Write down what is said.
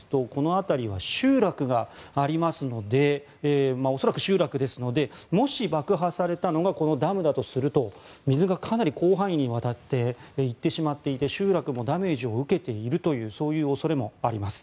辺りは集落がありますので恐らく集落ですのでもし、爆破されたのがこのダムだとすると水がかなり広範囲にわたっていってしまっていて集落もダメージを受けているという恐れもあります。